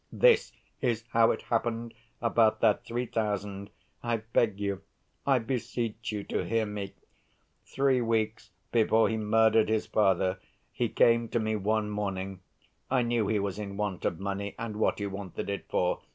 This is how it happened about that three thousand. I beg you, I beseech you, to hear me. Three weeks before he murdered his father, he came to me one morning. I knew he was in want of money, and what he wanted it for.